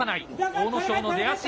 阿武咲の出足。